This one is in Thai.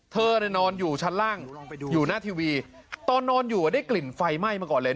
เธอนอนอยู่ชั้นล่างอยู่หน้าทีวีตอนนอนอยู่ได้กลิ่นไฟไหม้มาก่อนเลย